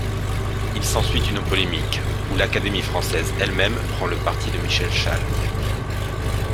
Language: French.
Il s'ensuit une polémique, où l'Académie française elle-même prend le parti de Michel Chasles.